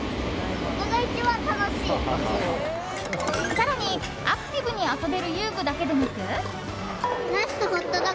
更に、アクティブに遊べる遊具だけでなく。